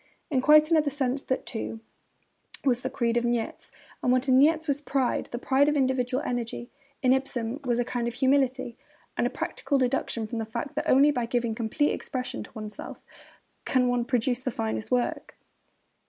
In quite another sense that, too, was the creed of Nietzsche; but what in Nietzsche was pride, the pride of individual energy, in Ibsen was a kind of humility, or a practical deduction from the fact that only by giving complete expression to oneself can one produce the finest work.